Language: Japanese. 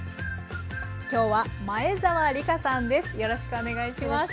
今日は前沢リカさんです。